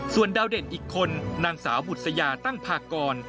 ส่วนดาวเด่นอีกคนนางสาวบุษยาตั้งพากร